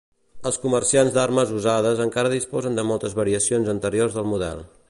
Els comerciants d'armes usades encara disposen de moltes variacions anteriors del model.